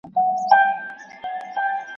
محمدشاه هم په مستي کي په نڅا سو